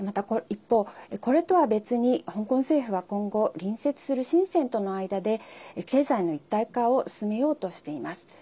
一方、これとは別に、香港政府は今後、隣接する深センとの間で経済の一体化を進めようとしています。